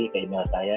ke email saya